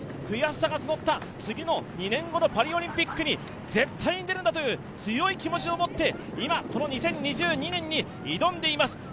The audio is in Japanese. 悔しさが募った、次の２年後のパリオリンピックに絶対に出るんだという強い気持ちを持って今、この２０２２年に挑んでいます。